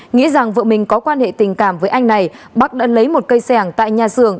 nghĩ rằng vợ mình có quan hệ tình cảm với anh này bắc đã lấy một cây sẻng tại nhà xưởng